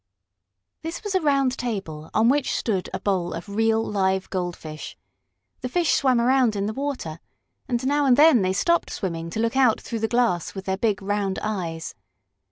This was a round table on which stood a bowl of real, live goldfish. The fish swam around in the water, and now and then they stopped swimming to look out through the glass with their big, round eyes.